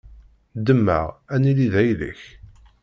Ddem-aɣ, ad nili d ayla-k.